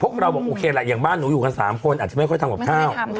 เราบอกโอเคแหละอย่างบ้านหนูอยู่กัน๓คนอาจจะไม่ค่อยทำกับข้าว